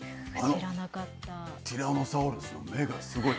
あのティラノサウルスの目がすごい。